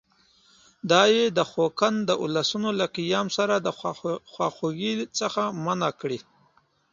دا یې د خوقند د اولسونو له قیام سره د خواخوږۍ څخه منع کړي.